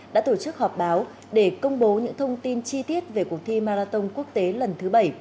đã tổ chức họp báo để công bố những thông tin chi tiết về cuộc thi marathon quốc tế lần thứ bảy